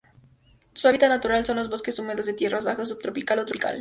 Su hábitat natural son los bosques húmedos de tierras bajas subtropical o tropical.